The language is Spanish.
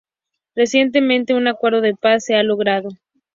Recientemente, un acuerdo de paz se ha logrado.